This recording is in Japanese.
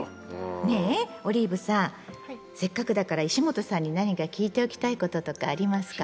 せっかくだから石本さんに何か聞いておきたいこととかありますか？